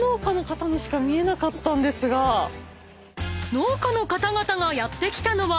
［農家の方々がやって来たのは］